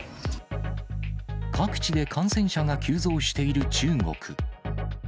各地で感染者が急増している中国。